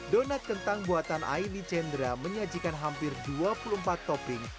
donat kentang buatan aini chandra menyajikan hampir dua puluh empat topping